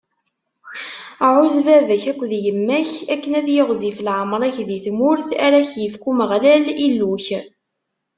Ɛuzz baba-k akked yemma-k akken ad yiɣzif leɛmeṛ-ik di tmurt ara k-ifk Umeɣlal, Illu-ik.